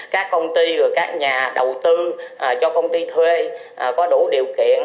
các công ty các nhà đầu tư cho công ty thuê có đủ điều kiện